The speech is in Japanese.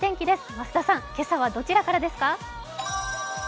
増田さん、今朝はどちらからですか？